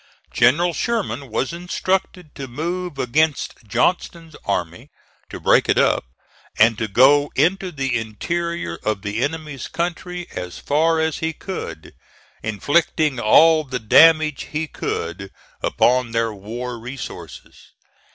General Sherman was instructed to move against Johnston's army, to break it up, and to go into the interior of the enemy's country as far as he could, inflicting all the damage he could upon their war resources.